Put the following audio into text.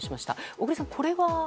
小栗さん、これは？